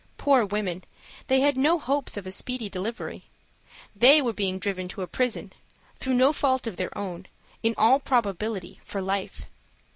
Poor women, they had no hopes of a speedy delivery. They were being driven to a prison, through no fault of their own, in all probability for life.